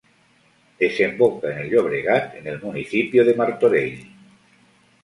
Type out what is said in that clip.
Desemboca en el Llobregat en el municipio de Martorell.